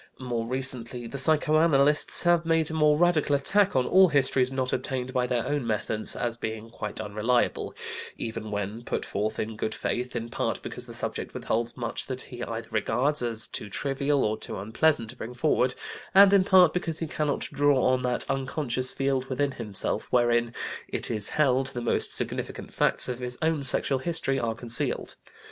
More recently the psychoanalysts have made a more radical attack on all histories not obtained by their own methods as being quite unreliable, even when put forth in good faith, in part because the subject withholds much that he either regards as too trivial or too unpleasant to bring forward, and in part because he cannot draw on that unconscious field within himself wherein, it is held, the most significant facts in his own sexual history are concealed.